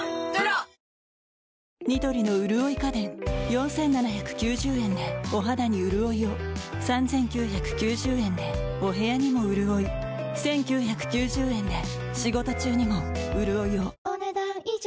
４，７９０円でお肌にうるおいを３，９９０円でお部屋にもうるおい１，９９０円で仕事中にもうるおいをお、ねだん以上。